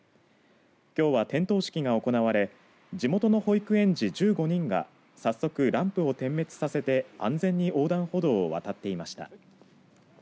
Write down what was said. きょうは点灯式が行われ地元の保育園児１５人が早速、ランプを点滅させて安全に横断歩道を渡っていました。